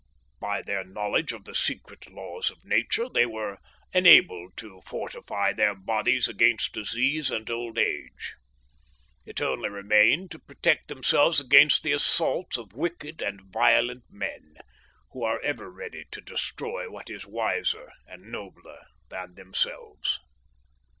"By their knowledge of the secret laws of Nature they were enabled to fortify their bodies against disease and old age. It only remained to protect themselves against the assaults of wicked and violent men who are ever ready to destroy what is wiser and nobler than themselves.